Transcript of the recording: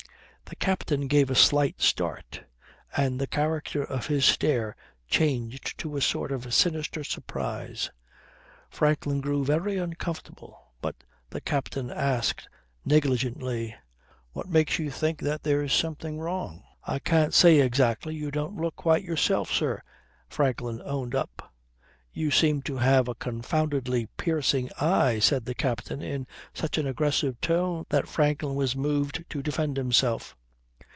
The captain gave a slight start, and the character of his stare changed to a sort of sinister surprise. Franklin grew very uncomfortable, but the captain asked negligently: "What makes you think that there's something wrong?" "I can't say exactly. You don't look quite yourself, sir," Franklin owned up. "You seem to have a confoundedly piercing eye," said the captain in such an aggressive tone that Franklin was moved to defend himself.